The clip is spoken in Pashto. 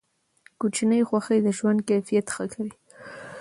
کوچني خوښۍ د ژوند کیفیت ښه کوي.